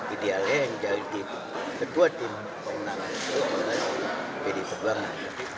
idealnya yang jadi ketua tim pemenangan pdi perjuangan